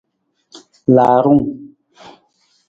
Laarung.